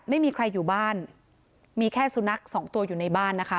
ไม่มีใครอยู่บ้านมีแค่สุนัขสองตัวอยู่ในบ้านนะคะ